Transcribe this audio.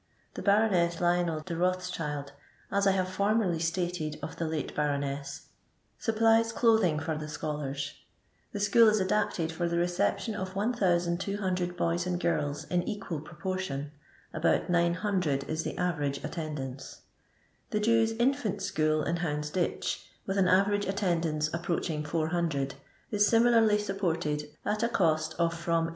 The Baroneai Lionel de Bothtchild (as I haye formerly stated of the late Bflioness) supplies clothing for the scholars. The sehoof is adapted for the reception of 1200 boji and girls in equal proportion ; about 900 is the aTemge attendimce. The Jetirs* Infant School in IToundsditch^ with an aTenige attendance approaching 400, is simi larly supported at a cost of from 800